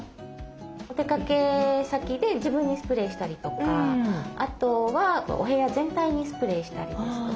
お出かけ先で自分にスプレーしたりとかあとはお部屋全体にスプレーしたりですとか。